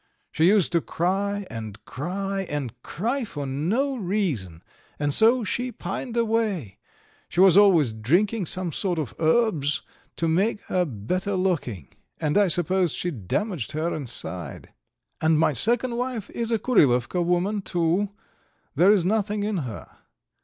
She used to cry and cry and cry for no reason, and so she pined away. She was always drinking some sort of herbs to make her better looking, and I suppose she damaged her inside. And my second wife is a Kurilovka woman too, there is nothing in her.